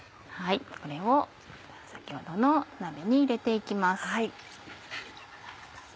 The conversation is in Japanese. これを先ほどの鍋に入れて行きます。